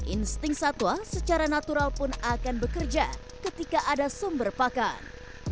insting satwa secara natural pun akan bekerja ketika ada sumber pakan